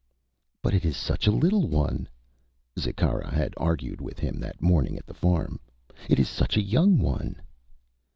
"But it is such a little one," Zikkara had argued with him that morning at the farm. "It is such a young one."